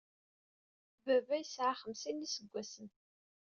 Baba yesɛa xemsin n yiseggasen.